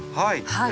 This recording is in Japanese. はい。